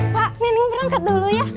pak nenek berangkat dulu ya